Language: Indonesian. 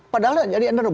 padahal jadi underdog